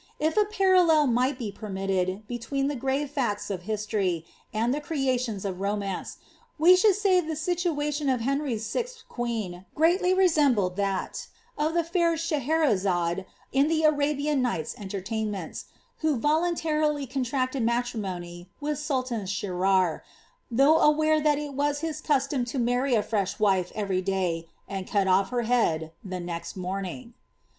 If a parallel might be permitted, between the grave fcrti of history, and the creations of romance, we should say that the siiot tion <.f Hi nry's .sixth queen eready resembled that of the fair Schehen zade in the Arabian Ni^rhts' Entertainments, who voluntarily contiacied matrimony with sultan Schriar, though aware that it was liis cuMom It marry a frt^li wife every day, and cut off her head the next morning.